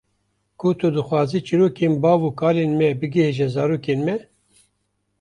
Ku tu dixwazî çirokên bav û kalên me bigihîje zarokên me.